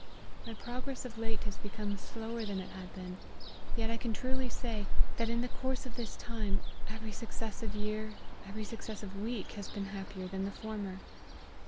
My progress of late has become slower than it had been : yet I can truly say, that in the course of this time, every successive year, every successive week, has been happier than the former.